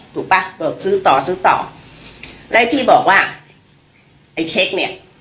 ถูกป่ะเบิกซื้อต่อซื้อต่อและที่บอกว่าไอ้เช็คเนี้ย